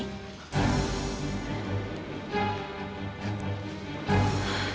kamu masih punya muka ya untuk datang kesini